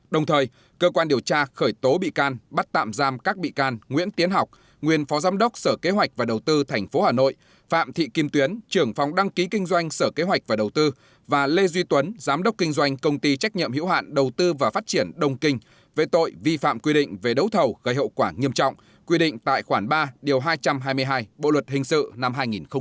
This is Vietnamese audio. đồng thời cơ quan điều tra khởi tố bị can bắt tạm giam các bị can nguyễn tiến học nguyên phó giám đốc sở kế hoạch và đầu tư thành phố hà nội phạm thị kim tuyến trưởng phóng đăng ký kinh doanh sở kế hoạch và đầu tư và lê duy tuấn giám đốc kinh doanh công ty trách nhiệm hữu hạn đầu tư và phát triển đồng kinh về tội vi phạm quy định về đấu thầu gây hậu quả nghiêm trọng quy định tại khoản ba điều hai trăm hai mươi hai bộ luật hình sự năm hai nghìn một mươi năm